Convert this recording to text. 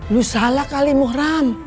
lu salah kali muhram